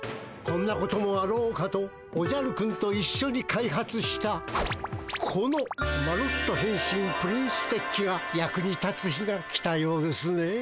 こんなこともあろうかとおじゃるくんといっしょに開発したこの「マロッと変身プリンステッキ」が役に立つ日が来たようですね。